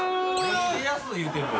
言うてる。